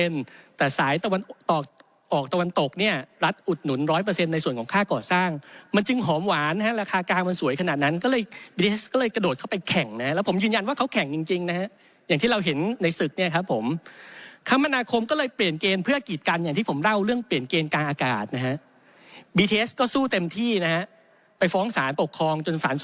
แต่สายตะวันออกตะวันตกเนี่ยรัฐอุดหนุน๑๐๐ในส่วนของค่าก่อสร้างมันจึงหอมหวานนะฮะราคากลางมันสวยขนาดนั้นก็เลยกระโดดเข้าไปแข่งนะฮะแล้วผมยืนยันว่าเขาแข่งจริงจริงนะฮะอย่างที่เราเห็นในศึกเนี่ยครับผมคมนาคมก็เลยเปลี่ยนเกณฑ์เพื่อกีดกันอย่างที่ผมเล่าเรื่องเปลี่ยนเกณฑ์กลางอากาศนะฮะบีเทสก็สู้เต็มที่นะฮะไปฟ้องสารปกครองจนสารส